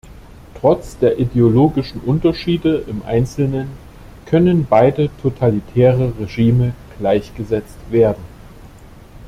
Trotz der ideologischen Unterschiede im Einzelnen können beide totalitäre Regime gleichgesetzt werden.